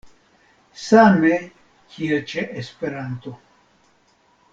Same kiel ĉe Esperanto.